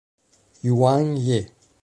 Yuan Ye